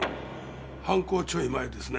犯行ちょい前ですね。